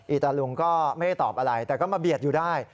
ตาลุงก็ไม่ได้ตอบอะไรแต่ก็มาเบียดอยู่ได้